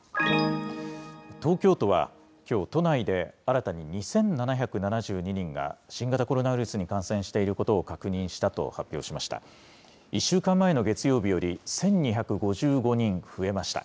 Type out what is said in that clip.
東京都はきょう、都内で新たに２７７２人が新型コロナウイルスに感染していることを確認したと発表しました。